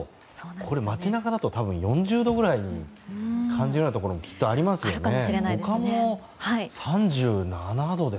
これ街中だと多分４０度くらいに感じるようなところもあるかもですよね。